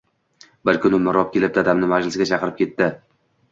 Bir kuni mirob kelib dadamni majlisga chaqirib ketdi.